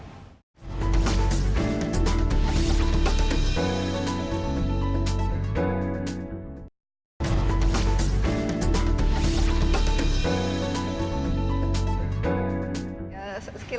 jadi kita harus berpikir pikir